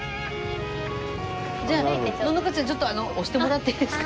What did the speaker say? じゃあののかちゃんちょっと押してもらっていいですか？